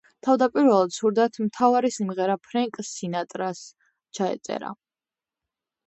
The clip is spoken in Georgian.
თავდაპირველად სურდათ, მთავარი სიმღერა ფრენკ სინატრას ჩაეწერა.